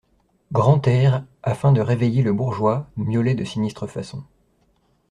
Grantaire, afin de réveiller le bourgeois, miaulait de sinistre façon.